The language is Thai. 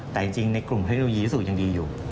แต่จริงในกลุ่มเทคโนโลยีสุยังดีอยู่